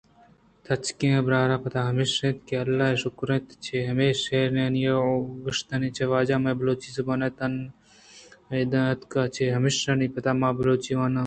تچکیں اَبر پَدا ھیش اِنت، اللہ ءِ شکر اِنت چہ ھمے شائِرانی او گشندانی چہ واجہ ءَ مئے بلوچی زُبان تن ءِ اَدّا اَتک ءَ۔ چہ ھیشانی پَدا ما بلوچی واناں